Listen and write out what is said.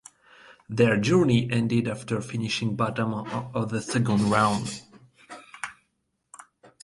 Their journey ended after finishing bottom of the second round.